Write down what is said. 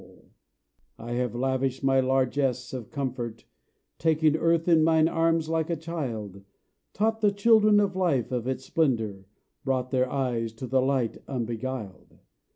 THE OCEAN SINGS I have lavished my largess of comfort, Taken earth in mine arms like a child, Taught the children of life of its splendour, Brought their eyes to the light unbeguiled.